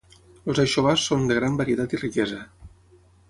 Els aixovars són de gran varietat i riquesa.